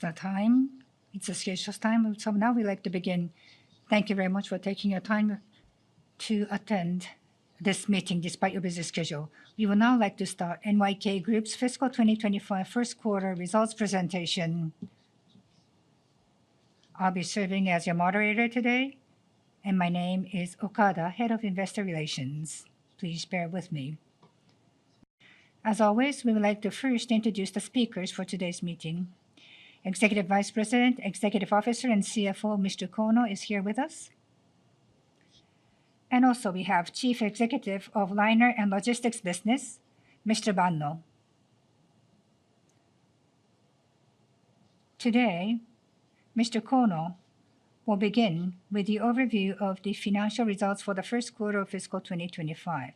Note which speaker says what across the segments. Speaker 1: It's the time. It's the search for time. Now we'd like to begin. Thank you very much for taking your time to attend this meeting despite your busy schedule. We would now like to start Nippon Yusen Kabushiki Kaisha's fiscal 2025 first quarter results presentation. I'll be serving as your moderator today, and my name is Yasuaki Okada, Head of Investor Relations. Please bear with me as always. We would like to first introduce the speakers for today's meeting. Executive Vice President, Executive Officer, and CFO, Mr. Akira Kono is here with us, and also we have Chief Executive of Liner and Logistics Business, Mr. Takuji Banno. Today, Mr. Kono will begin with the overview of the financial results for the first quarter of fiscal 2025,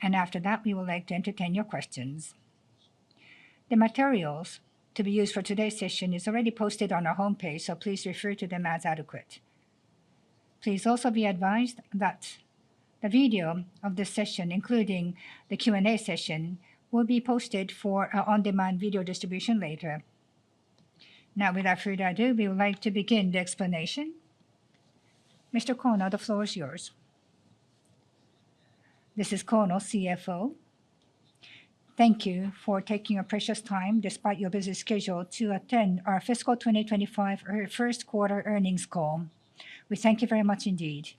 Speaker 1: and after that, we would like to entertain your questions. The materials to be used for today's session are already posted on our homepage, so please refer to them as adequate. Please also be advised that the video of this session, including the Q&A session, will be posted for an on-demand video distribution later. Now, without further ado, we would like to begin the explanation. Mr. Kono, the floor is yours.
Speaker 2: This is Kono, CFO. Thank you for taking your precious time despite your busy schedule to attend our fiscal 2025 first quarter earnings call. We thank you very much indeed.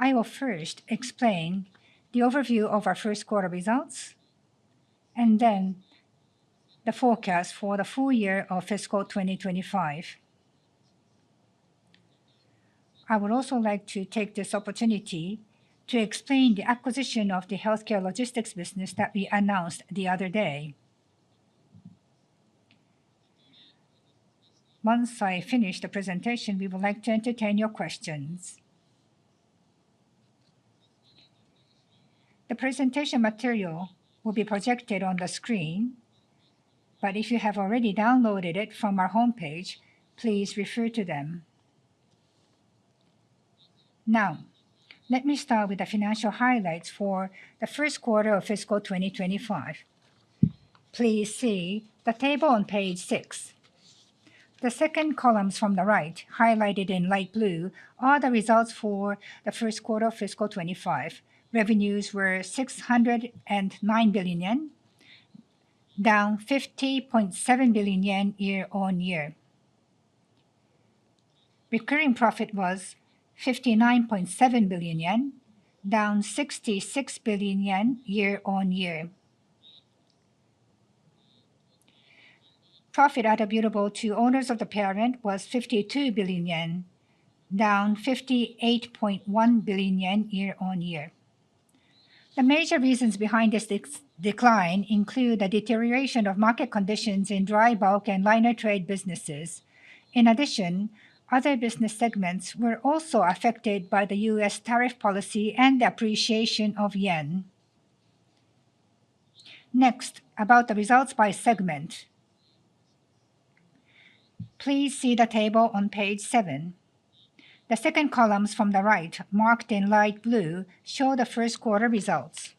Speaker 2: I will first explain the overview of our first quarter results and then the forecast for the full year of fiscal 2025. I would also like to take this opportunity to explain the acquisition of the healthcare logistics business that we announced the other day. Once I finish the presentation, we would like to entertain your questions. The presentation material will be projected on the screen, but if you have already downloaded it from our homepage, please refer to them. Now let me start with the financial highlights for the first quarter of fiscal 2025. Please see the table on page six. The second columns from the right, highlighted in light blue, are the results for the first quarter of fiscal 2025. Revenues were 609 billion yen, down 50.7 billion yen year-on-year. Recurring profit was 59.7 billion yen, down 66 billion yen year-on-year. Profit attributable to owners of the parent was 52 billion yen, down 58.1 billion yen year-on-year. The major reasons behind this decline include a deterioration of market conditions in dry bulk and liner trade businesses. In addition, other business segments were also affected by the U.S. tariff policy and the appreciation of yen. Next, about the results by segment, please see the table on page seven. The second columns from the right, marked in light blue, show the first quarter results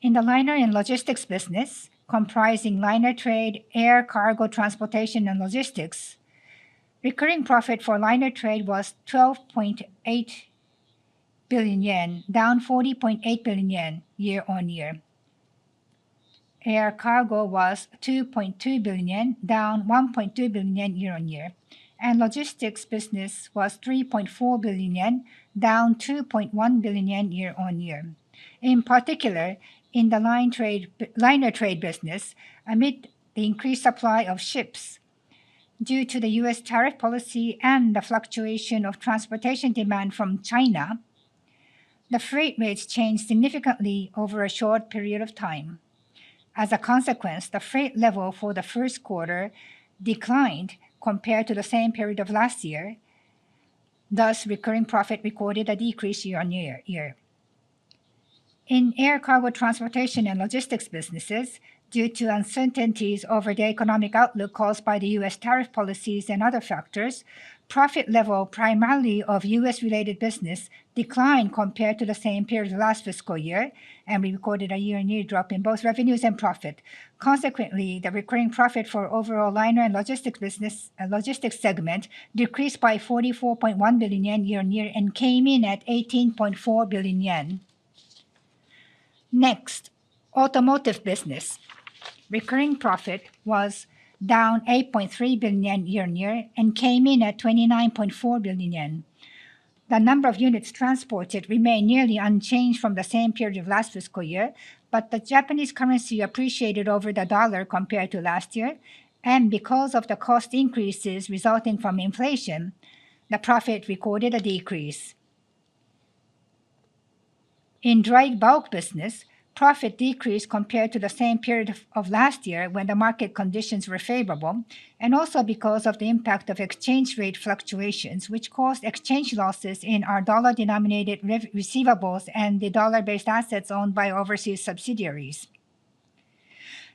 Speaker 2: in the liner and logistics business comprising liner trade, air cargo, transportation, and logistics. Recurring profit for liner trade was 12.8 billion yen, down 40.8 billion yen year-on-year. Air cargo was 2.2 billion yen, down 1.2 billion yen year-on-year, and logistics business was 3.4 billion yen, down 2.1 billion yen year-on-year. In particular, in the liner trade business, amid the increased supply of ships due to the U.S. tariff policy and the fluctuation of transportation demand from China, the freight rates changed significantly over a short period of time. As a consequence, the freight level for the first quarter declined compared to the same period of last year. Thus, recurring profit recorded a decrease year-on-year in air cargo, transportation, and logistics businesses due to uncertainties over the economic outlook caused by the U.S. tariff policies and other factors. Profit level, primarily of U.S. related business, declined compared to the same period last fiscal year and we recorded a year-on-year drop in both revenues and profit from. Consequently, the recurring profit for overall liner and logistics segment decreased by 44.1 billion yen year-on-year and came in at 18.4 billion yen. Next, automotive business recurring profit was down 8.3 billion yen year-on-year and came in at 29.4 billion yen. The number of units transported remained nearly unchanged from the same period of last fiscal year, but the Japanese currency appreciated over the dollar compared to last year and because of the cost increases resulting from inflation, the profit recorded a decrease. In dry bulk business, profit decreased compared to the same period of last year when the market conditions were favorable and also because of the impact of exchange rate fluctuations which caused exchange losses in our dollar denominated receivables and the dollar based assets owned by overseas subsidiaries.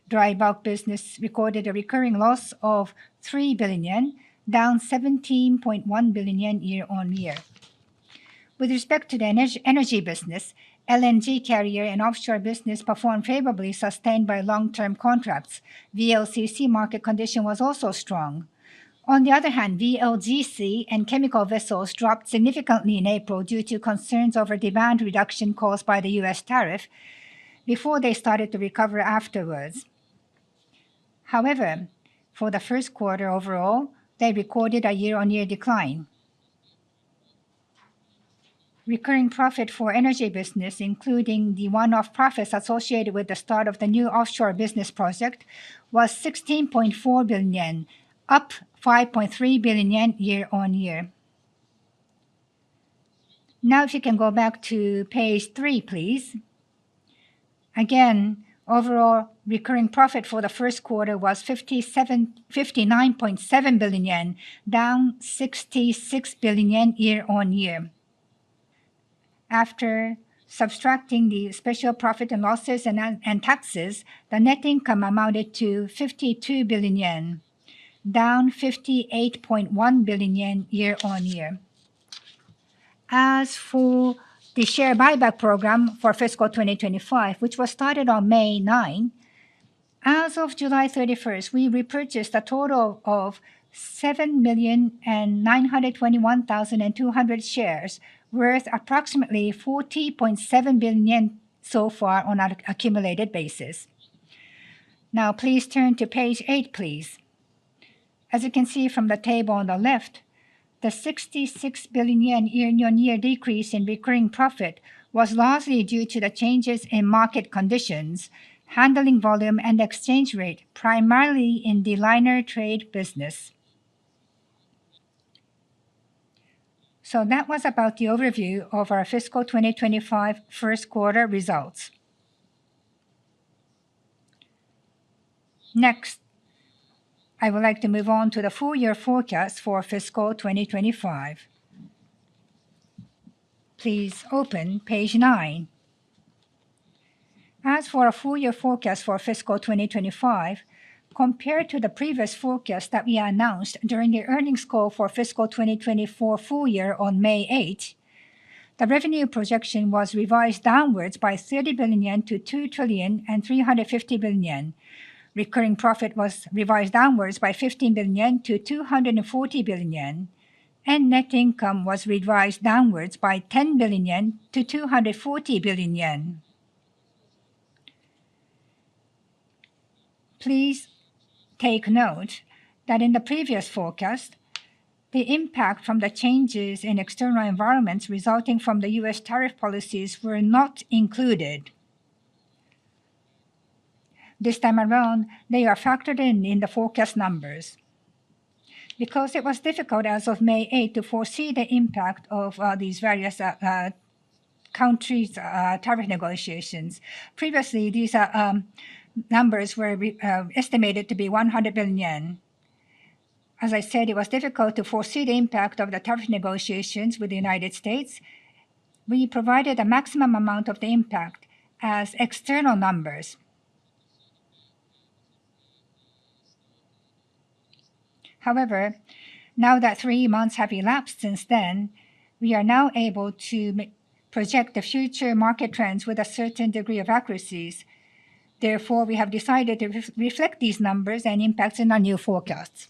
Speaker 2: Dry bulk business recorded a recurring loss of 3 billion yen, down 17.1 billion yen year-on-year. With respect to the energy business, LNG carrier and offshore business performed favorably, sustained by long term contracts. VLCC market condition was also strong. On the other hand, VLGC and chemical vessels dropped significantly in April due to concerns over demand reduction caused by the U.S. tariff before they started to recover afterwards. However, for the first quarter overall they recorded a year-on-year decline. Recurring profit for energy business, including the one-off profits associated with the start of the new offshore business project, was 16.4 billion yen, up 5.3 billion yen year-on-year. Now if you can go back to page three please. Again, overall recurring profit for the first quarter was 59.7 billion yen, down 66 billion yen year-on-year. After subtracting the special profit and losses and taxes, the net income amounted to 52 billion yen, down 58.1 billion yen year-on-year. As for the share buyback program for fiscal 2025, which was started on May 9, as of July 31, we repurchased a total of 7,921,200 shares worth approximately 40.7 billion yen so far on an accumulated basis. Now please turn to page eight. As you can see from the table on the left, the 66 billion yen year decrease in recurring profit was largely due to the changes in market conditions, handling volume, and exchange rate, primarily in the liner trade business. That was about the overview of our fiscal 2025 first quarter results. Next, I would like to move on to the full year forecast for fiscal 2025. Please open page nine. As for the full year forecast for fiscal 2025, compared to the previous forecast that we announced during the earnings call for fiscal 2024 full year on May 8, the revenue projection was revised downwards by 30 billion yen-JPY2 trillion and 350 billion yen. Recurring profit was revised downwards by 15 billion-240 billion yen, and net income was revised downwards by 10 billion-240 billion yen. Please take note that in the previous forecast, the impact from the changes in external environments resulting from the U.S. tariff policies were not included; this time around, they are factored in the forecast numbers. Because it was difficult as of May 8 to foresee the impact of these various countries' tariff negotiations. Previously, these numbers were estimated to be 100 billion yen. As I said, it was difficult to foresee the impact of the tariff negotiations with the United States. We provided a maximum amount of the impact as external numbers. However, now that three months have elapsed since then, we are now able to project the future market trends with a certain degree of accuracy. Therefore, we have decided to reflect these numbers and impacts in our new forecasts.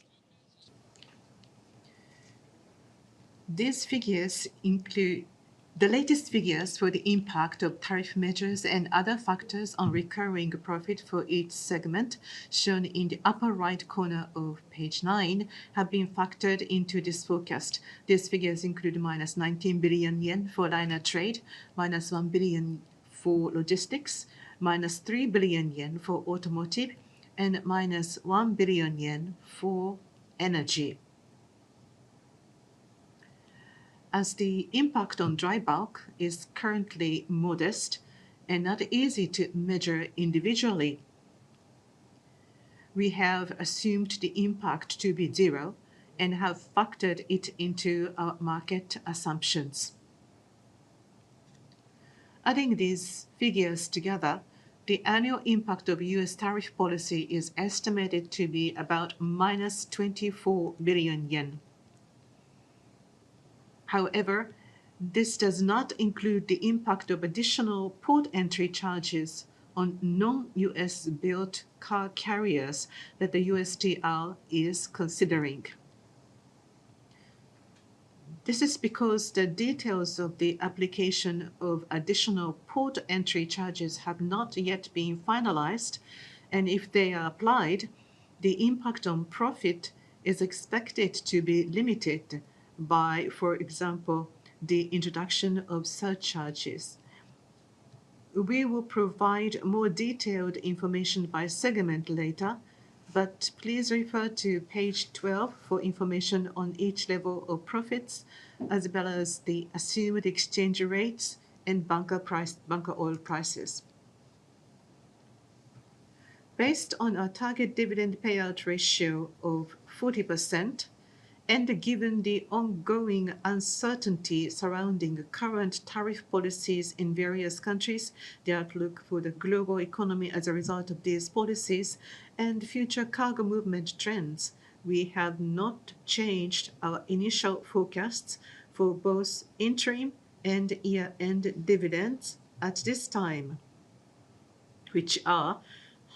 Speaker 2: These figures include the latest figures for the impact of tariff measures and other factors on recurring profit for each segment shown in the upper right corner of page 9, have been factored into this forecast. These figures include -19 billion yen for liner trade, -1 billion for logistics, -3 billion yen for automotive, and -1 billion yen for energy. As the impact on dry bulk is currently modest and not easy to measure individually, we have assumed the impact to be zero and have factored it into our market assumptions. Adding these figures together, the annual impact of U.S. tariff policy is estimated to be about -24 billion yen. However, this does not include the impact of additional port entry charges on non-U.S.-built car carriers that the USTR is considering. This is because the details of the application of additional port entry charges have not yet been finalized, and if they are applied, the impact on profit is expected to be limited by, for example, the introduction of surcharges. We will provide more detailed information by segment later, but please refer to page 12 for information on each level of profits as well as the assumed exchange rates and bunker oil prices based on a target dividend payout ratio of 40%. Given the ongoing uncertainty surrounding current tariff policies in various countries, the outlook for the global economy as a result of these policies, and future cargo movement trends, we have not changed our initial forecasts for both interim and year-end dividends at this time, which are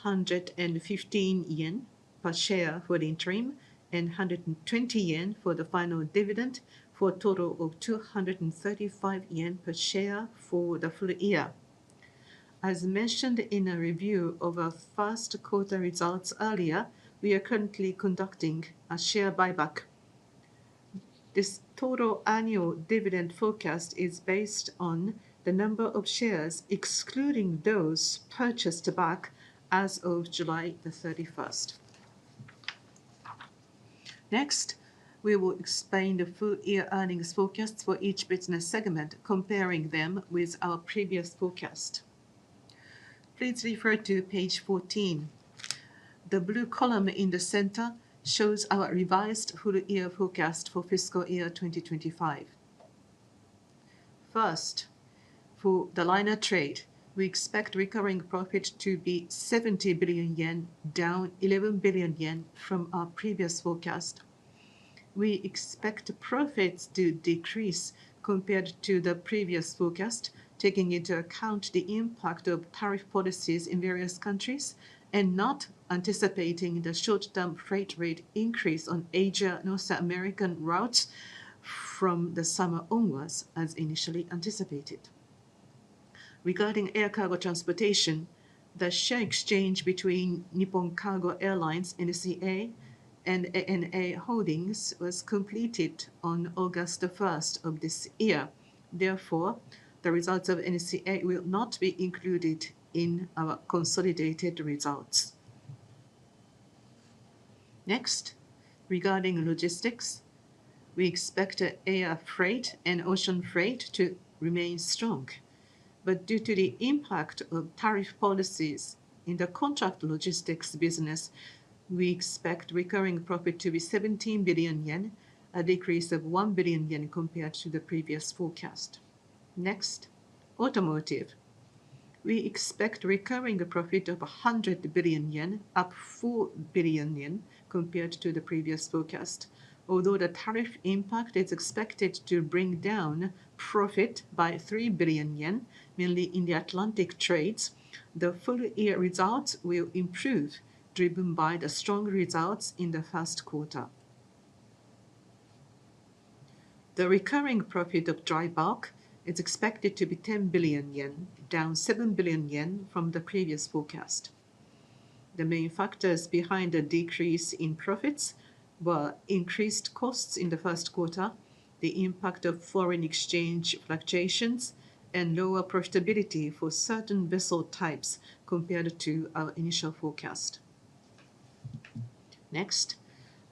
Speaker 2: 115 yen per share for interim and 120 yen for the final dividend, for a total of 235 yen per share for the full year. As mentioned in a review of A four first quarter results earlier, we are currently conducting a share buyback. This total annual dividend forecast is based on the number of shares excluding those purchased back as of July 31. Next, we will explain the full-year earnings forecasts for each business segment, comparing them with our previous forecast. Please refer to page 14. The blue column in the center shows our revised full-year forecast for fiscal year 2025. First, for the liner trade, we expect recurring profit to be 70 billion yen, down 11 billion yen from our previous forecast. We expect profits to decrease compared to the previous forecast, taking into account the impact of tariff policies in various countries and not anticipating the short-term freight rate increase on Asia-North America routes from the summer onwards. As initially anticipated. Regarding air cargo transportation, the share exchange between Nippon Cargo Airlines, NCA, and ANA Holdings was completed on August 1 of this year. Therefore, the results of NCA will not be included in our consolidated results. Next, regarding logistics, we expect air freight and ocean freight to remain strong, but due to the impact of tariff policies in the contract logistics business, we expect recurring profit to be 17 billion yen and a decrease of 1 billion yen compared to the previous forecast. Next, automotive, we expect recurring profit of 100 billion yen, up 4 billion yen compared to the previous forecast. Although the tariff impact is expected to bring down profit by 3 billion yen mainly in the Atlantic trades, the full year results will improve driven by the strong results in the first quarter. The recurring profit of dry bulk is expected to be 10 billion yen, down 7 billion yen from the previous forecast. The main factors behind the decrease in profits were increased costs in the first quarter, the impact of foreign exchange fluctuations, and lower profitability for certain vessel types compared to our initial forecast. Next,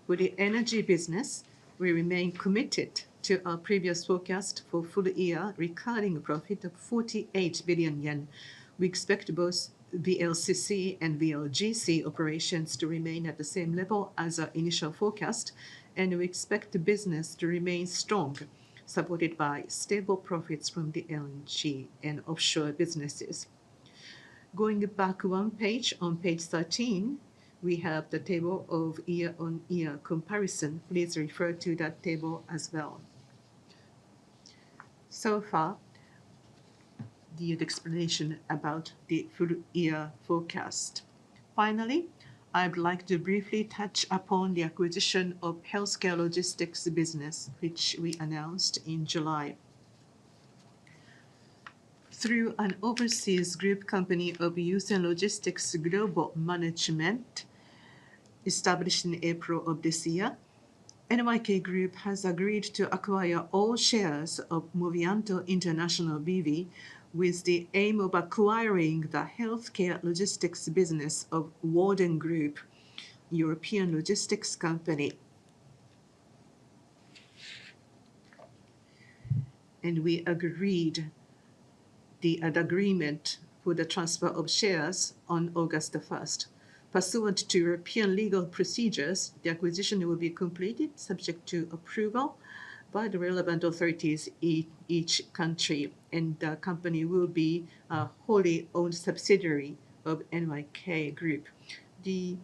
Speaker 2: with the energy business, we remain committed to our previous forecast for full year recurring profit of 48 billion yen. We expect both VLCC and VLGC operations to remain at the same level as our initial forecast, and we expect the business to remain strong supported by stable profits from the LNG and offshore businesses. Going back one page, on page 13 we have the table of year-on-year comparison. Please refer to that table as well. So far, the explanation about the full year forecast. Finally, I'd like to briefly touch upon the acquisition of healthcare logistics business which we announced in July through an overseas group company of Yusen Logistics Global Management established in April of this year. NYK Group has agreed to acquire all shares of Movianto International B.V. with the aim of acquiring the healthcare logistics business of Walden Group, European logistics company, and we agreed the agreement for the transfer of shares on August 1 pursuant to European legal procedures. The acquisition will be completed subject to approval by the relevant authorities in each country, and the company will be a wholly owned subsidiary of NYK Group. The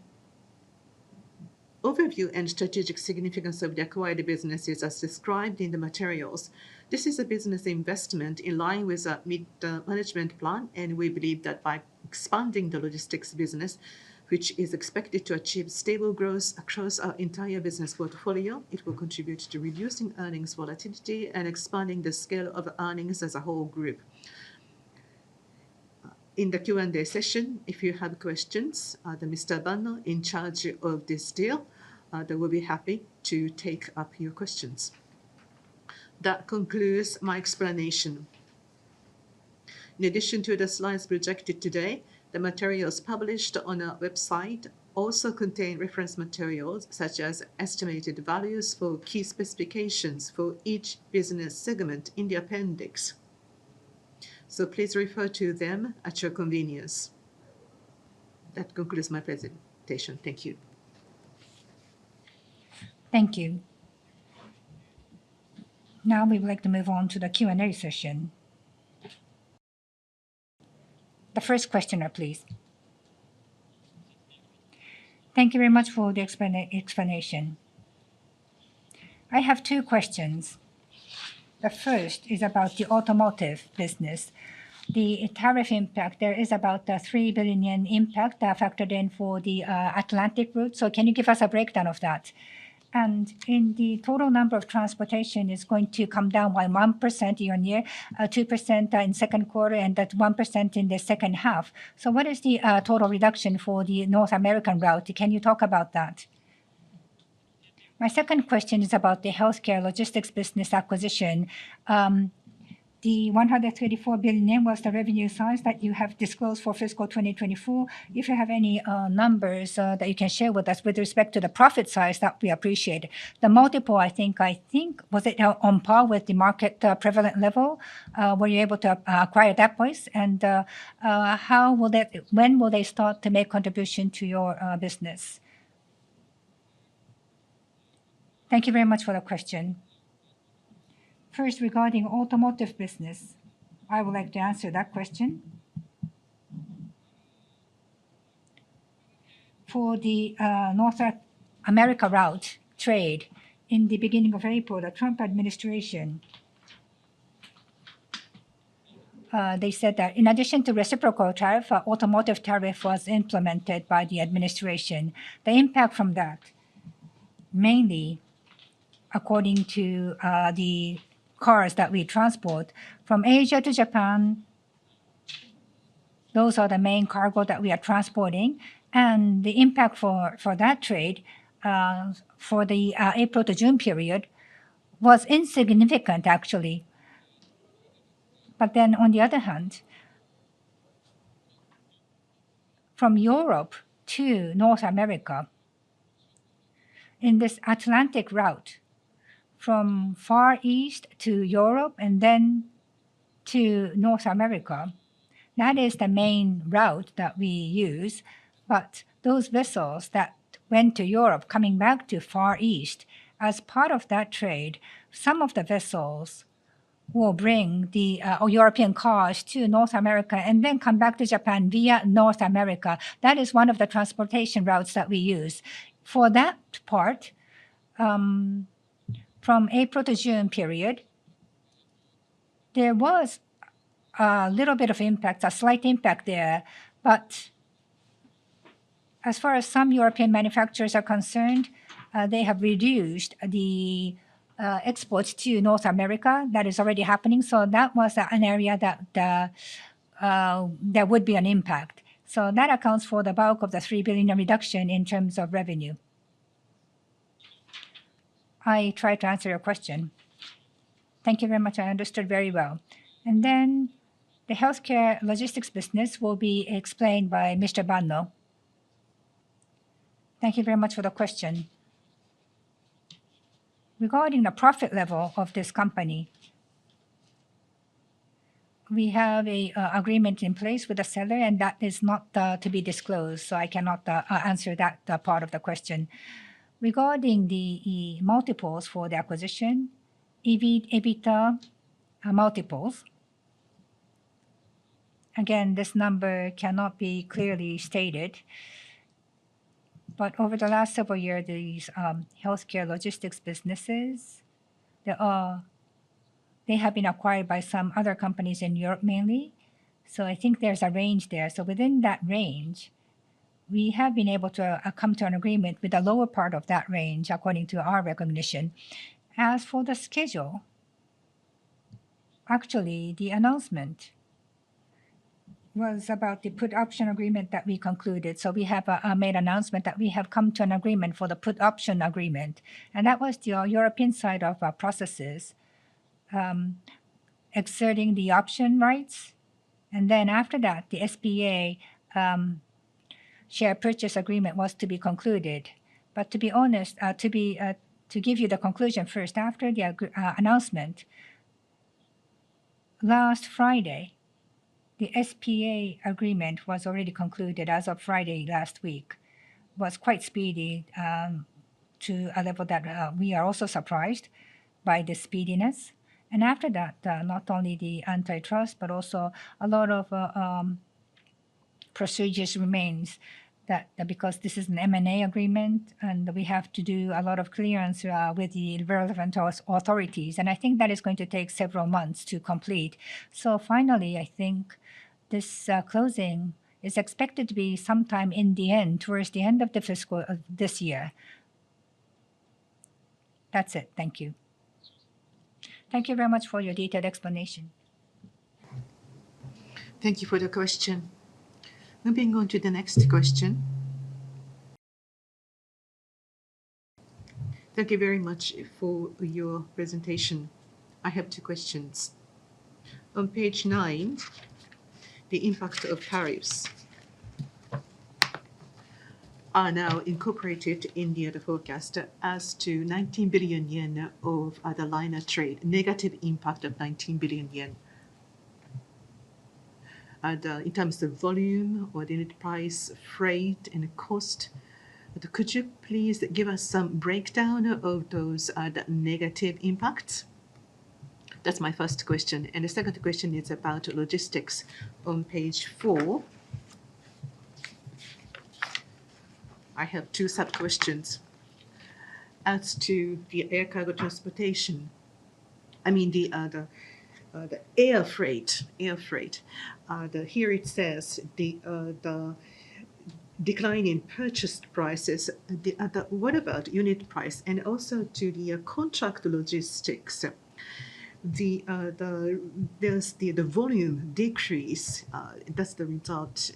Speaker 2: overview and strategic significance of the acquired business is as described in the materials. This is a business investment in line with a mid management plan, and we believe that by expanding the logistics business, which is expected to achieve stable growth across our entire business portfolio, it will contribute to reducing earnings volatility and expanding the scale of earnings as a whole group. In the Q and A session, if you have questions, Mr. Banno in charge of this deal, they will be happy to take up your questions. That concludes my explanation. In addition to the slides projected today, the materials published on our website also contain reference materials such as estimated values for key specifications for each business segment in the appendix. Please refer to them at your convenience. That concludes my presentation. Thank you.
Speaker 1: Thank you. Now we would like to move on to the Q and A session. The first questioner please. Thank you very much for the explanation. I have two questions. The first is about the automotive business. The tariff impact there is about 3 billion yen impact factored in for the Atlantic route. Can you give us a breakdown of that and in the total number of transportation is going to come down by 1% year-on-year, 2% in second quarter and 1% in the second half. What is the total reduction for the North American route? Can you talk about that? My second question is about the healthcare logistics business acquisition. The 134 billion was the revenue size that you have disclosed for fiscal 2024. If you have any numbers that you can share with us with respect to the profit size that we appreciate the multiple, I think, was it on par with the market prevalent level? Were you able to acquire that place? When will they start to make contribution to your business?
Speaker 2: Thank you very much for the question. First, regarding automotive business, I would like to answer that question. For the North America route trade, in the beginning of April, the Trump administration they said that in addition to reciprocal tariff, automotive tariff was implemented by the administration. The impact from that, mainly according to the cars that we transport from Asia to Japan, those are the main cargo that we are transporting. The impact for that trade for the April to June period was insignificant actually. On the other hand, from Europe to North America in this Atlantic route, from Far East to Europe and then to North America, that is the main route that we use. Those vessels that went to Europe coming back to Far East as part of that trade, some of the vessels will bring the European cars to North America and then come back to Japan via North America. That is one of the transportation routes that we use. For that part from April to June period, there was a little bit of impact, a slight impact there. But as far as some European manufacturers are concerned, they have reduced the exports to North America. That is already happening. That was an area that there would be an impact. That accounts for the bulk of the 3 billion reduction in terms of revenue. I tried to answer your question. Thank you very much, I understood very well. The healthcare logistics business will be explained by Mr. Banno.
Speaker 3: Thank you very much for the question regarding the profit level of this company. We have an agreement in place with the seller and that is not to be disclosed. I cannot answer that part of the question regarding the multiples for the acquisition. EBIT, EBITDA multiples, again, this number cannot be clearly stated. Over the last several years, these healthcare logistics businesses have been acquired by some other companies in Europe mainly. I think there's a range there. Within that range we have been able to come to an agreement with the lower part of that range, according to our recognition. As for the schedule, actually the announcement was about the put option agreement that we concluded. We have made announcement that we have come to an agreement for the put option agreement and that was the European side of processes exerting the option rights. After that the SPA share purchase agreement was to be concluded. To be honest, to give you the conclusion first, after the announcement last Friday, the SPA agreement was already concluded as of Friday last week was quite speedy to a level that we are also surprised by the speediness and after that not only the antitrust but also a lot of procedures remains because this is an M&A agreement and we have to do a lot of clearance with the relevant authorities and I think that is going to take several months to complete. Finally, I think this closing is expected to be sometime towards the end of the fiscal of this year. That's it. Thank you. Thank you very much for your detailed explanation.
Speaker 1: Thank you for the question. Moving on to the next question. Thank you very much for your presentation. I have two questions on page nine. The impact of tariffs are now incorporated in the forecast as to 19 billion yen of liner trade. Negative impact of 19 billion yen in terms of volume or the unit price, freight and cost. Could you please give us some breakdown of those negative impacts? That's my first question. The second question is about logistics on page four. I have two such questions as to the air cargo transportation, I mean the air freight. Air freight. Here it says the decline in purchased prices. What about unit price? Also to the contract logistics, the volume decrease. That's the result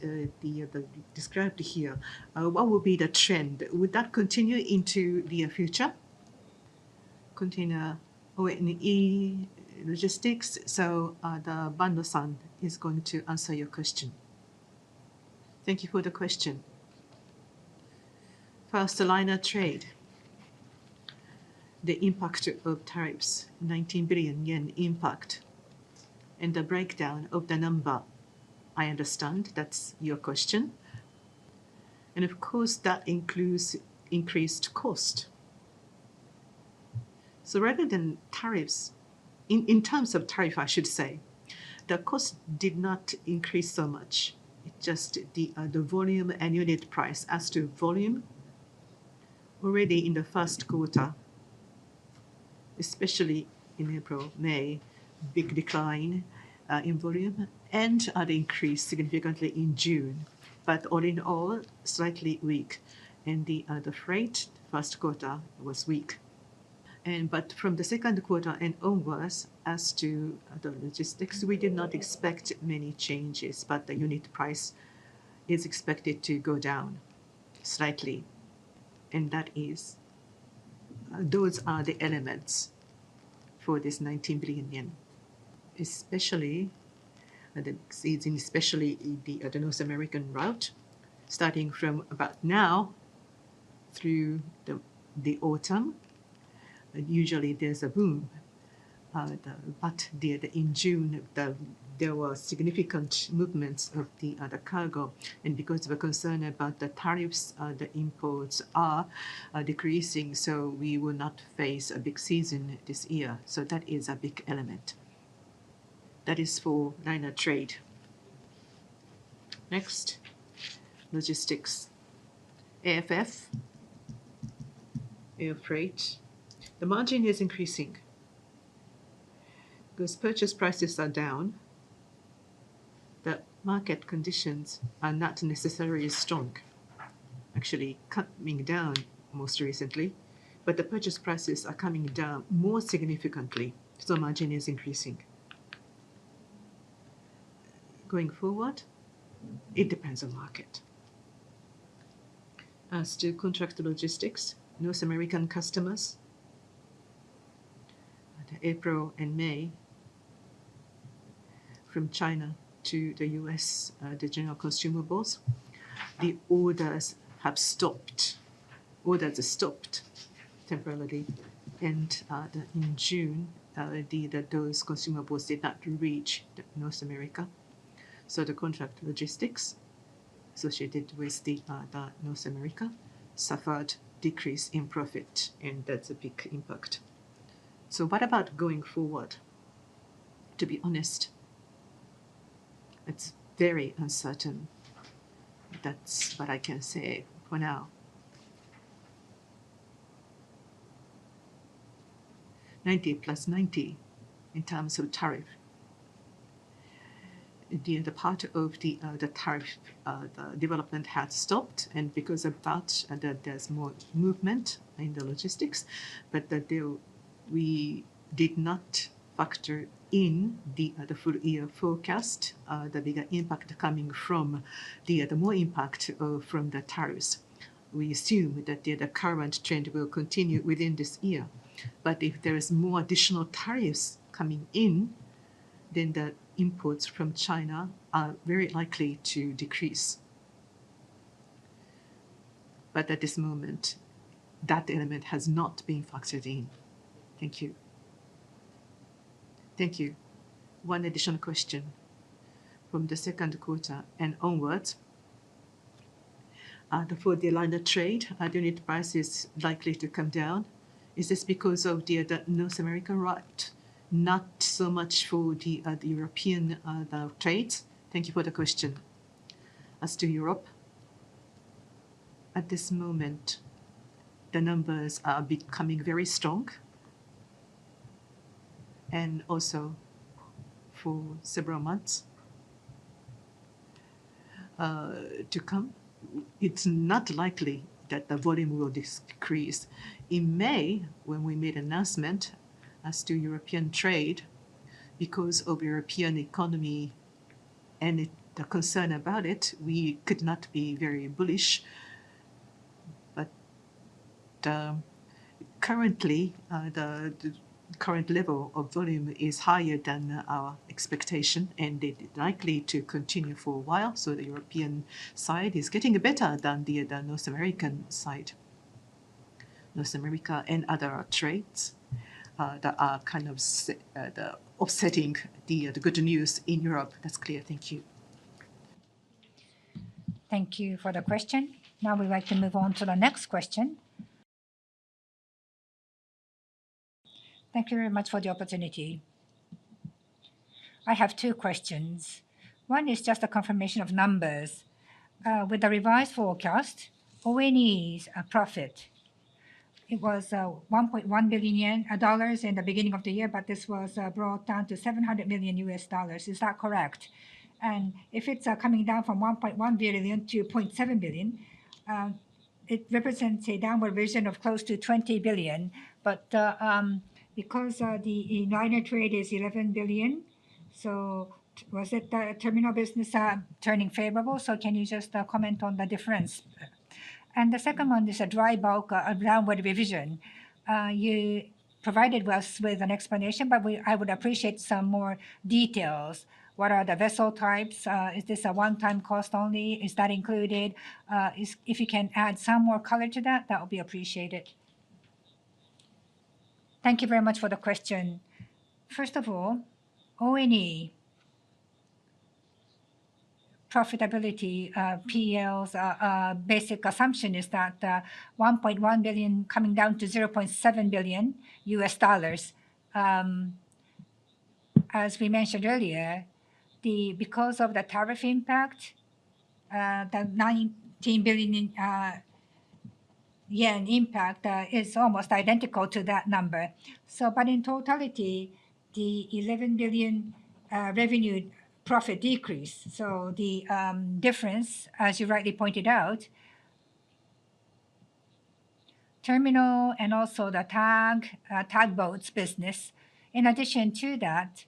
Speaker 1: described here. What would be the trend? Would that continue into the future container or logistics? Banno is going to answer your question.
Speaker 3: Thank you for the question. First, liner trade, the impact of tariffs, 19 billion yen impact and the breakdown of the number. I understand that's your question and of course that includes increased cost. Rather than tariffs, in terms of tariff, I should say the cost did not increase so much. It's just the volume and unit price. As to volume, already in the first quarter, especially in April, May, big decline in volume and the increase significantly in June, but all in all slightly weak and the freight first quarter was weak. From the second quarter and onwards, as to the logistics, we did not expect many changes. The unit price is expected to go down slightly and those are the elements for this 19 billion yen. Especially the season, especially the North American route starting from about now through the autumn. Usually there's a boom, but in June there were significant movements of the other cargo and because of the concern about the tariffs, the imports are decreasing. We will not face a big season this year. That is a big element. That is for liner trade. Next, logistics, air freight, the margin is increasing because purchase prices are down. The market conditions are not necessarily strong, actually coming down most recently, but the purchase prices are coming down more significantly. Margin is increasing going forward. It depends on market. As to contract logistics, North American customers, April and May from China to the U.S., the general consumables, the orders have stopped. Orders stopped temporarily and in June those consumables did not reach North America. The contract logistics associated with North America suffered a decrease in profit and that's a big impact. What about going forward? To be honest, it's very uncertain. That's what I can say for now. 90 + 90 in terms of tariff, the part of the tariff development had stopped and because of that there's more movement in the logistics. We did not factor in the full year forecast. The bigger impact is coming from the more impact from the tariffs. We assume that the current trend will continue within this year. If there are more additional tariffs coming in, then the imports from China are very likely to decrease. At this moment that element has not been factored in. Thank you. Thank you. One additional question from the second quarter and onwards, the fourth day liner trade, alternate price is likely to come down. Is this because of the North American riot? Not so much for the European trades. Thank you for the question. As to Europe at this moment the numbers are becoming very strong and also for several months to come. It's not likely that the volume will decrease. In May when we made the announcement as to European trade because of the European economy and the concern about it, we could not be very bullish. Currently the current level of volume is higher than our expectation and it is likely to continue for a while. The European side is getting better than the North American side. North America and other trades are kind of offsetting the good news in Europe. That's clear. Thank you.
Speaker 1: Thank you for the question. Now we like to move on to the next question. Thank you very much for the opportunity. I have two questions. One is just a confirmation of numbers with the revised forecast. One's profit, it was $1.1 billion in the beginning of the year, but this was brought down to $700 million, is that correct? If it's coming down from $1.1 billion-$0.7 billion, it represents a downward revision of close to 20 billion. Because the liner trade is 11 billion, was it terminal business turning favorable? Can you just comment on the difference? The second one is a dry bulk downward revision. You provided us with an explanation, but I would appreciate some more details. What are the vessel types? Is this a one-time cost only? Is that included? If you can add some more color to that, that would be appreciated. Thank you very much for the question. First of all, all profitability, the basic assumption is that $1.1 billion coming down to $0.7 billion as we mentioned earlier, because of the tariff impact. The 19 billion yen impact is almost identical to that number. In totality, the 11 billion revenue profit decrease. The difference, as you rightly pointed out, is terminal and also the tugboats business. In addition to that,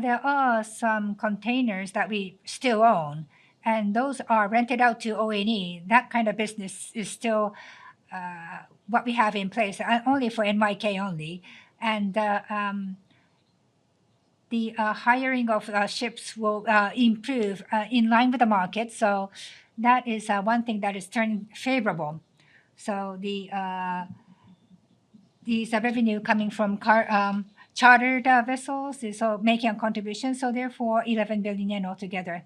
Speaker 1: there are some containers that we still own and those are rented out to ONE. That kind of business is still what we have in place only for NYK only. The hiring of ships will improve in line with the market. That is one thing that has turned favorable. These revenue coming from chartered vessels is making a contribution. Therefore, 11 billion yen altogether.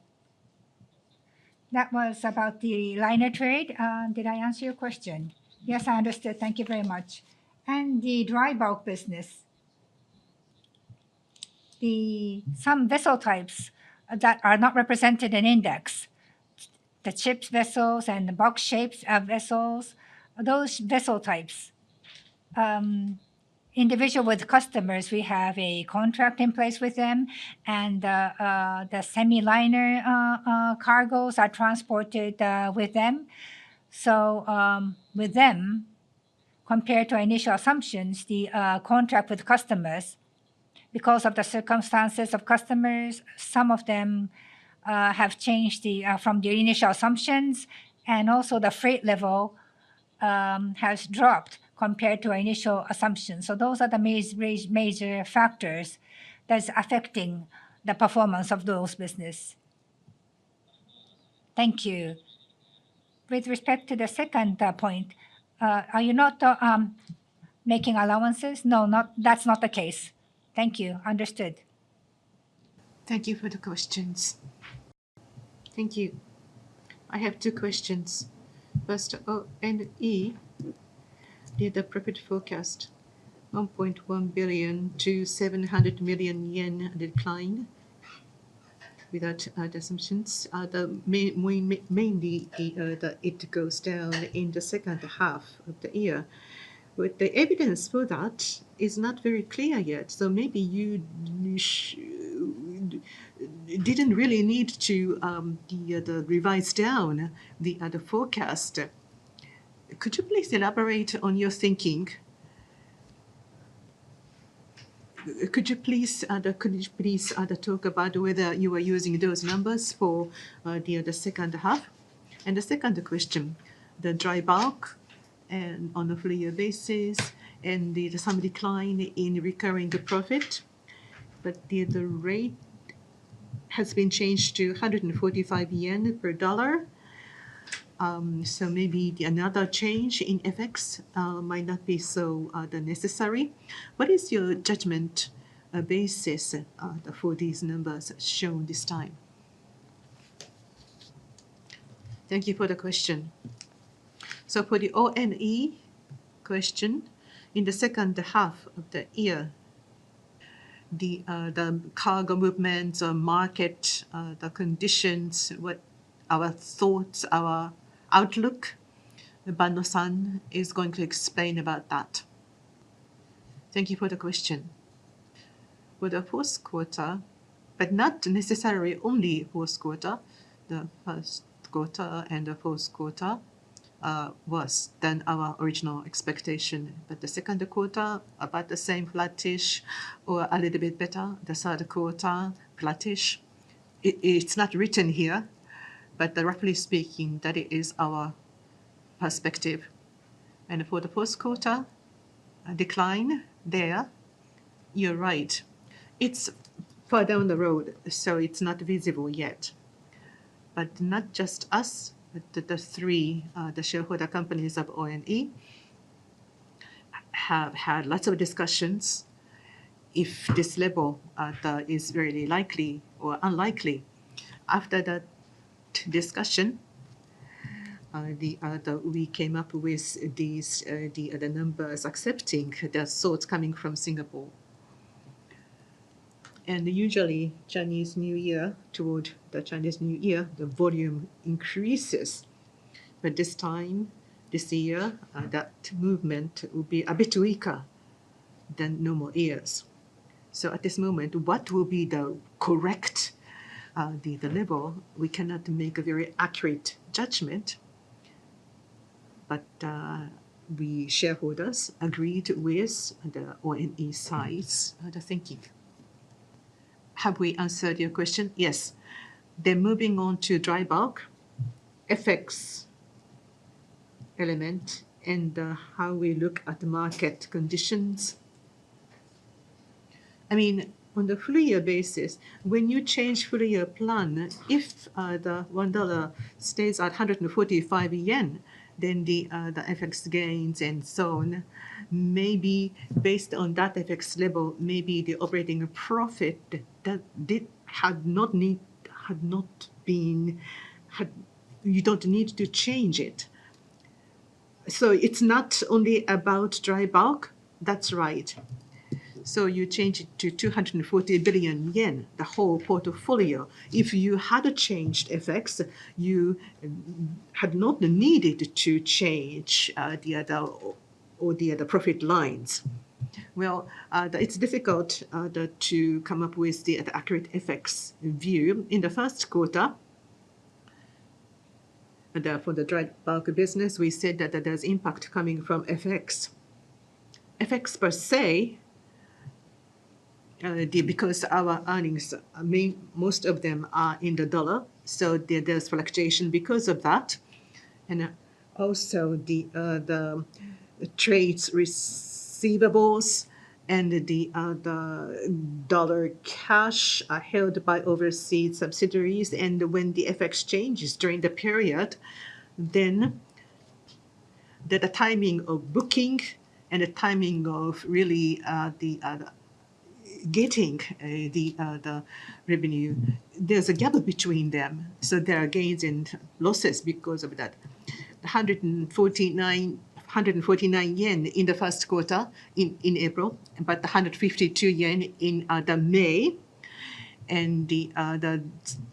Speaker 1: That was about the liner trade. Did I answer your question? Yes, I understood. Thank you very much. The dry bulk business, some vessel types that are not represented in index. The chips vessels and the bulk shapes of vessels. Those vessel types, individual with customers, we have a contract in place with them. The semi liner cargoes are transported with them. With them, compared to our initial assumptions, the contract with customers, because of the circumstances of customers, some of them have changed from the initial assumptions. Also, the freight level has dropped compared to our initial assumptions. Those are the major factors that's affecting the performance of those business. Thank you. With respect to the second point, are you not making allowances? No, not. That's not the case. Thank you. Understood. Thank you for the questions. Thank you. I have two questions. First ONE, the appropriate forecast 1.1 billion-700 million yen decline without assumptions. Mainly it goes down in the second half of the year. The evidence for that is not very clear yet. Maybe you didn't really need to revise down the other forecast. Could you please elaborate on your thinking? Could you please talk about whether you are using those numbers for the second half? The second question, the dry bulk on a full year basis and some decline in recurring profit. The rate has been changed to 145 yen per dollar. Maybe another change in FX might not be so necessary. What is your judgment basis for these numbers shown this time? Thank you for the question. For the ONE question in the second half of the year, the cargo movements, market, the conditions, our thoughts, our outlook. Banno San is going to explain about that.
Speaker 3: Thank you for the question. For the fourth quarter, but not necessarily only fourth quarter. The first quarter and the fourth quarter worse than our original expectation. The second quarter about the same, flattish or a little bit better. The third quarter flattish. It's not written here, but roughly speaking that it is our perspective and for the post quarter decline there you're right, it's far down the road, so it's not visible yet. Not just us, the three shareholder companies of ONE have had lots of discussions if this level is really likely or unlikely. After that discussion we came up with these other numbers accepting their thoughts coming from Singapore and usually Chinese New Year, toward the Chinese New Year the volume increases. This time this year that movement will be a bit weaker than normal years. At this moment what will be the correct level? We cannot make a very accurate judgment, but we shareholders agreed with the or inside the thinking.
Speaker 1: Have we answered your question? Yes.
Speaker 3: Moving on to dry bulk FX element and how we look at the market conditions. On the full year basis, when you change full year plan, if the $1 stays at 145 yen, then the FX gains and so on. Maybe based on that FX level, maybe the operating profit that did had not been. You don't need to change it. It's not only about dry bulk. That's right. You change it to 240 billion yen, the whole portfolio. If you had changed FX, you had not needed to change the other or the other profit lines. It's difficult to come up with the accurate FX view in the first quarter. For the dry bulk business, we said that there's impact coming from FX per se because our earnings, most of them are in the dollar. There's fluctuation because of that. Also, the trade receivables and the dollar cash are held by overseas subsidiaries. When the FX changes during the period, the timing of bookings and the timing of really getting the revenue, there's a gap between them. There are gains and losses because of that. 149 in the first quarter in April, but 152 yen in May and the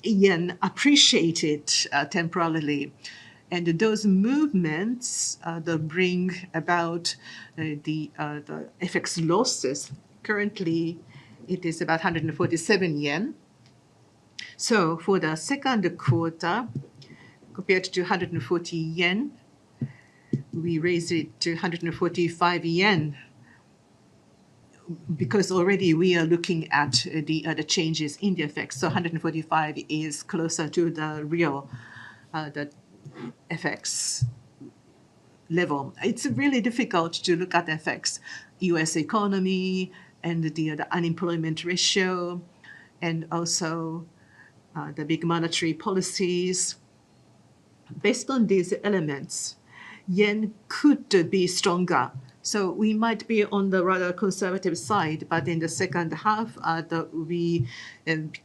Speaker 3: yen appreciated temporarily and those movements bring about the FX losses. Currently it is about 147 yen. For the second quarter compared to 140 yen we raised it to 145 yen because already we are looking at the other changes in the FX. 145 is closer to the real FX level. It's really difficult to look at FX, U.S. economy and the unemployment ratio and also the big monetary policies. Based on these elements, yen could be stronger. We might be on the rather conservative side. In the second half we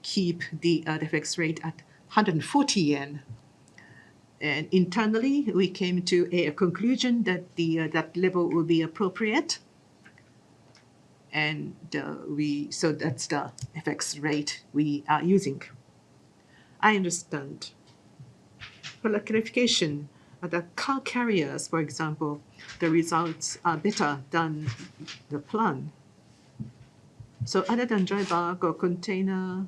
Speaker 3: keep the FX rate at 140 yen and internally we came to a conclusion that that level will be appropriate. That's the FX rate we are using. I understand electrification, the car carriers, for example, the results are better than the plan. Other than dry bulk or container,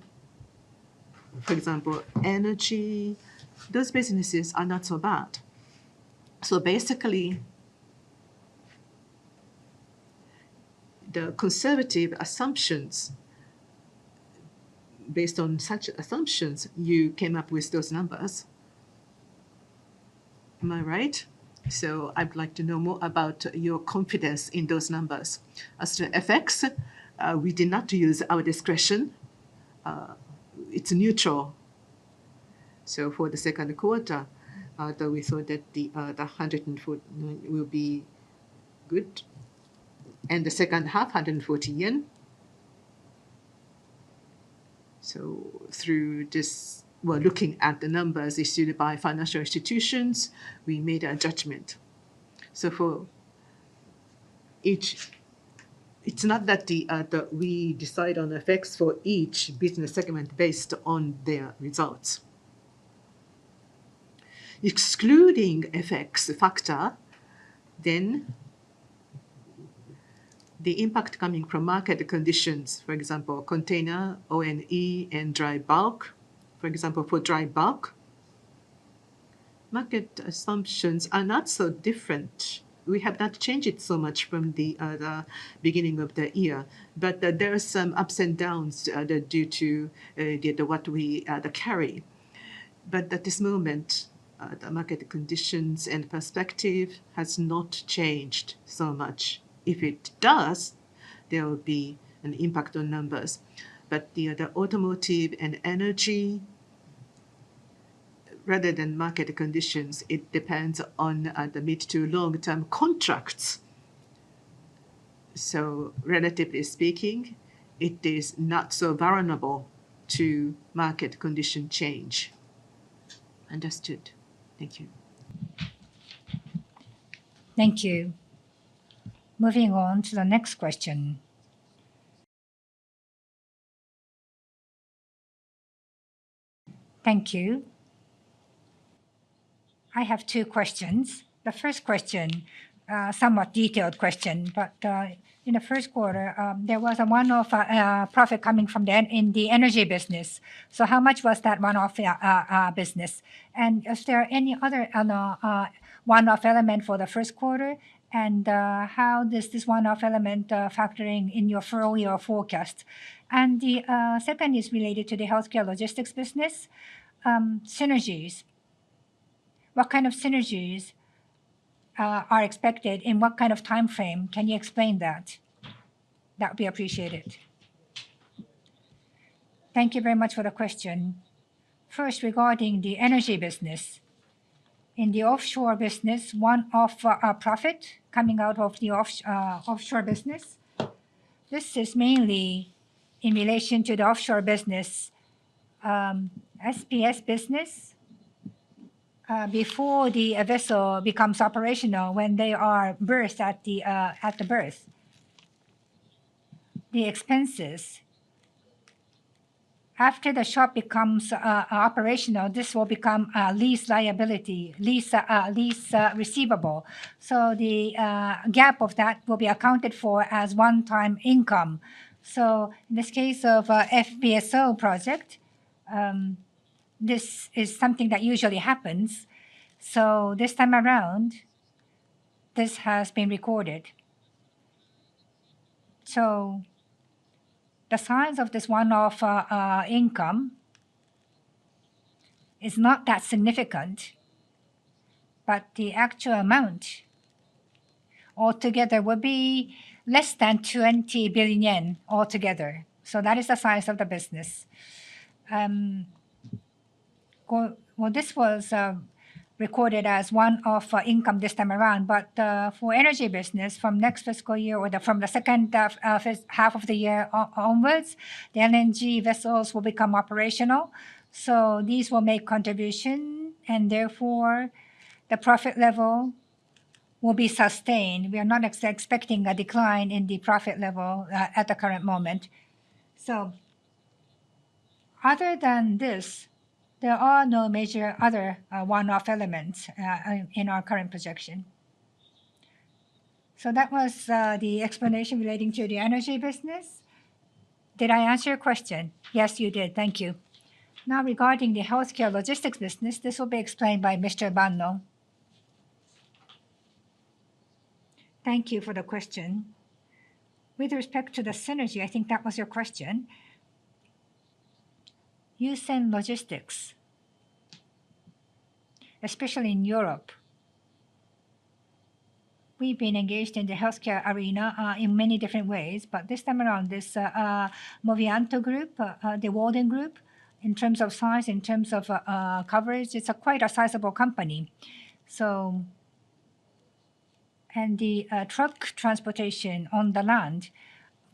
Speaker 3: for example energy, those businesses are not so bad. Basically the conservative assumptions, based on such assumptions, you came up with those numbers, am I right? I'd like to know more about your confidence in those numbers. As to FX, we did not use our discretion. It's neutral. For the second quarter we thought that the 140 yen will be good and the second half 140 yen. Through this, while looking at the numbers issued by financial institutions, we made a judgment. For each, it's not that we decide on FX for each business segment based on their results, excluding FX factor. Then the impact coming from market conditions, for example container ONE and dry bulk, for example. For dry bulk, market assumptions are not so different. We have not changed it so much from the beginning of the year. There are some ups and downs due to what we carry. At this moment the market conditions and perspective has not changed so much. If it does, there will be an impact on numbers. The automotive and energy, rather than market conditions, depend on the mid to long term contracts. Relatively speaking, it is not so vulnerable to market condition change. Understood. Thank you.
Speaker 1: Thank you. Moving on to the next question. Thank you. I have two questions. The first question, somewhat detailed question, but in the first quarter there was a one off profit coming from in the energy business. How much was that one off business? Is there any other one off element for the first quarter? How does this one off element factoring in your full year forecast? The second is related to the healthcare logistics business synergies. What kind of synergies are expected in what kind of time frame? Can you explain that? That would be appreciated. Thank you very much for the question. First, regarding the energy business in the offshore business, one off profit coming out of the offshore business, this is mainly in relation to the offshore business SPS business before the vessel becomes operational, when they are berthed at the berth, the expenses after the ship becomes operational, this will become lease liability, lease receivable. The gap of that will be accounted for as one time income. In this case of FPSO project, this is something that usually happens. This time around this has been recorded. The size of this one off income is not that significant. The actual amount altogether would be less than 20 billion yen altogether. That is the size of the business. This was recorded as one off income this time around. For energy business, from next fiscal year or from the second half of the year onwards, the LNG vessels will become operational. These will make contribution and therefore the profit level will be sustained. We are not expecting a decline in the profit level at the current moment. Other than this, there are no major other one off elements in our current projection. That was the explanation relating to the energy business. Did I answer your question? Yes, you did. Thank you. Now, regarding the healthcare logistics business, this will be explained by Mr. Banno.
Speaker 3: Thank you for the question. With respect to the synergy, I think that was your question. Yusen Logistics, especially in Europe, we've been engaged in the healthcare arena in many different ways. This time around, this Movianto Group, the Walden Group, in terms of size, in terms of coverage, it's quite a sizable company. The truck transportation on the land,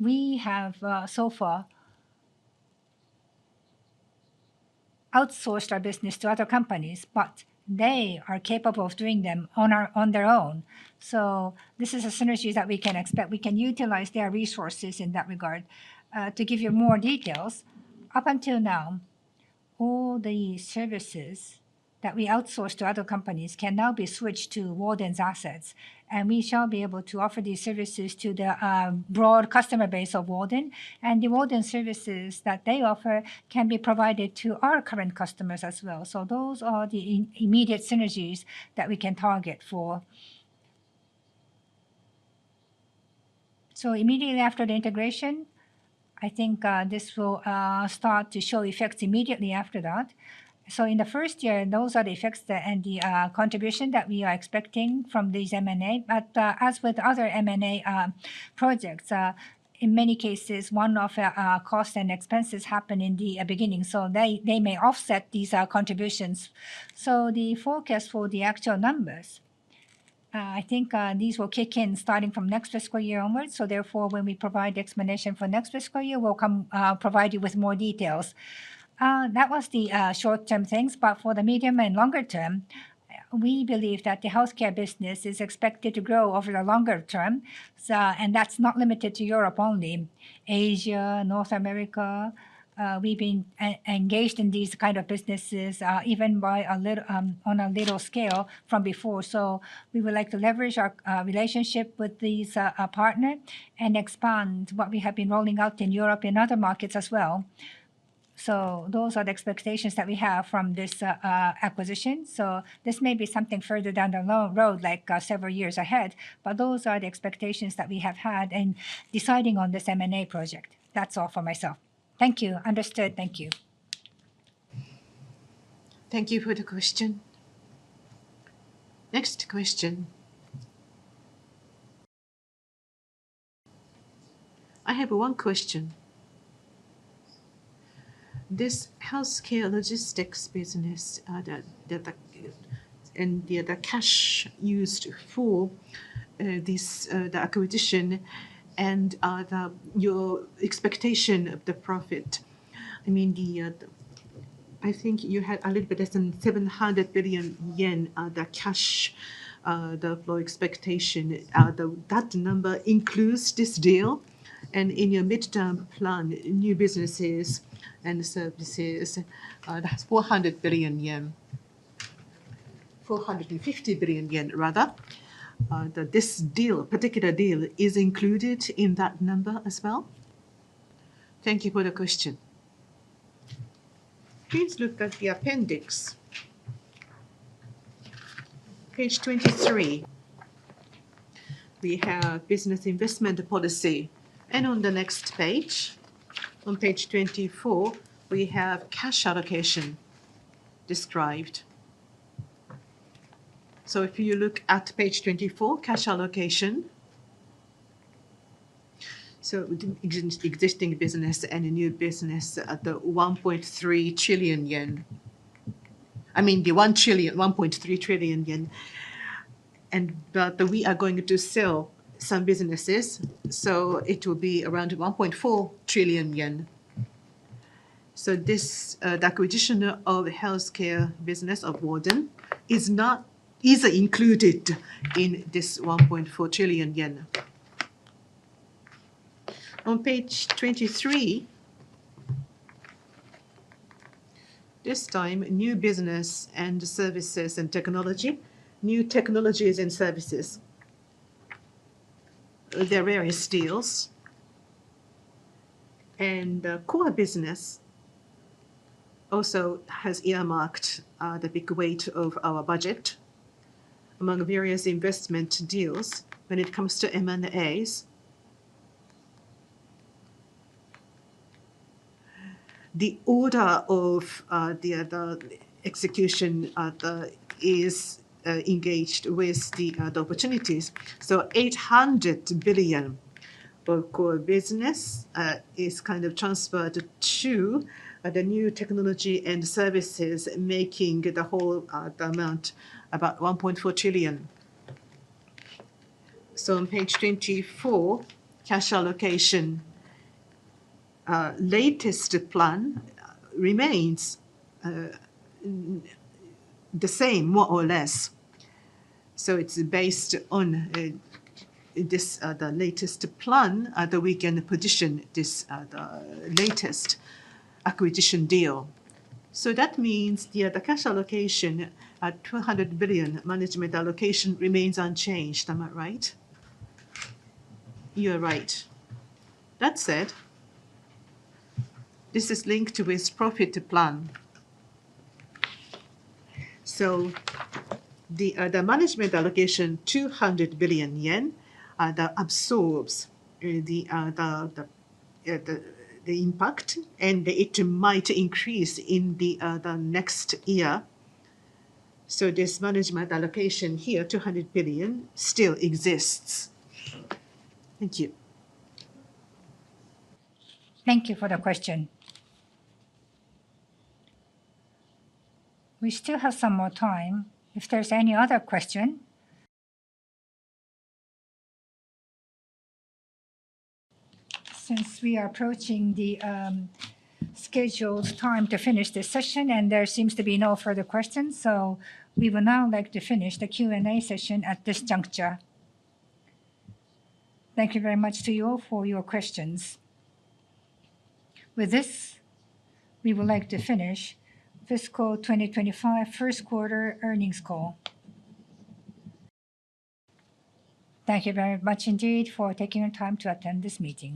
Speaker 3: we have so far outsourced our business to other companies, but they are capable of doing them on their own. This is a synergy that we can expect. We can utilize their resources in that regard. To give you more details, up until now, all the services that we outsource to other companies can now be switched to Walden's assets, and we shall be able to offer these services to the broad customer base of Walden, and the Walden services that they offer can be provided to our current customers as well. Those are the immediate synergies that we can target for. Immediately after the integration, I think this will start to show effects immediately after that. In the first year, those are the effects and the contribution that we are expecting from these M&A. As with other M&A projects, in many cases, one-off costs and expenses happen in the beginning, so they may offset these contributions. The forecast for the actual numbers, I think these will kick in starting from next fiscal year onwards. Therefore, when we provide the explanation for next fiscal year, we'll provide you with more details. That was the short-term things, but for the medium and longer term, we believe that the healthcare business is expected to grow over the longer term. That's not limited to Europe, only Asia, North America. We've been engaged in these kind of businesses even on a little scale from before. We would like to leverage our relationship with these partners and expand what we have been rolling out in Europe and other markets as well. Those are the expectations that we have from this acquisition. This may be something further down the road, like several years ahead. Those are the expectations that we have had in deciding on this M&A project. That's all for myself. Thank you. Understood. Thank you.
Speaker 1: Thank you for the question. Next question. I have one question. This healthcare logistics business and the cash used for this, the acquisition and your expectation of the profit. I mean, I think you had a little bit less than 700 billion yen. The cash flow expectation. That number includes this deal and in your midterm plan, new businesses and services. That's 400 billion yen. 450 billion yen. Rather, this particular deal is included in that number as well? Thank you for the question. Please look at the appendix. Page 23, we have business investment policy. On the next page, on page 24, we have cash allocation described. If you look at page 24, cash allocation, existing business and a new business at 1.3 trillion yen. I mean the 1 trillion, 1.3 trillion yen. We are going to sell some businesses, so it will be around 1.4 trillion yen. The acquisition of healthcare business of Walden is not either included in this 1.4 trillion yen. On page 23 this time, new business and services and technology. New technologies and services. There are various deals and core business also has earmarked the big weight of our budget among various investment deals when it comes to M&A as the order of the other execution is engaged with the opportunities. 800 billion business is kind of transferred to the new technology and services, making the whole amount about 1.4 trillion. On page 24, cash allocation latest plan remains the same, more or less. It's based on the latest plan that we can position this latest acquisition deal. That means the cash allocation at 200 billion management allocation remains unchanged. Am I right? You are right. That said, this is linked with profit plan. The management allocation 200 billion yen absorbs the impact and it might increase in the next year. This management allocation here, 200 billion still exists. Thank you. Thank you for the question. We still have some more time. If there's any other question, since we are approaching the scheduled time to finish this session and there seems to be no further questions, we would now like to finish the Q and A session at this juncture. Thank you very much to you all for your questions. With this, we would like to finish fiscal 2025 first quarter earnings call. Thank you very much indeed for taking your time to attend this meeting.